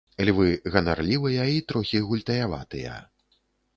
Львы ганарлівыя і трохі гультаяватыя.